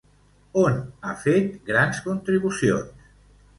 On ha fet grans contribucions?